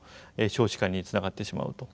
少子化につながってしまうと。